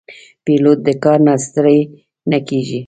پیلوټ د کار نه ستړی نه کېږي.